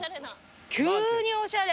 急におしゃれ。